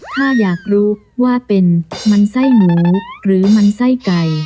ถ้าอยากรู้ว่าเป็นมันไส้หมูหรือมันไส้ไก่